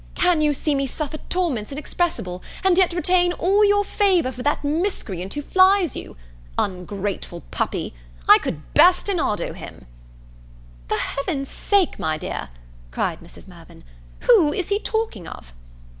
Can you see me suffer torments inexpressible, and yet retain all your favour for that miscreant who flies you? Ungrateful puppy! I could bastinado him!" "For Heaven's sake, my dear," cried Mrs. Mirvan, "who is he talking of?"